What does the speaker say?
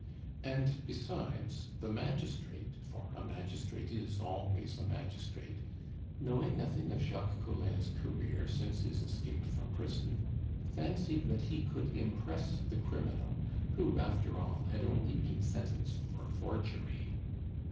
And besides, the magistrate for a magistrate is always a magistrate knowing nothing of Jacques Collin's career since his escape from prison, fancied that he could impress the criminal who, after all, had only been sentenced for forgery.